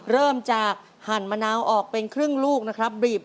เริ่มจากหั่นมะนาวออกเป็นครึ่งลูกนะครับ